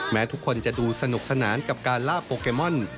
ทุกคนจะดูสนุกสนานกับการลาบโปเกมอน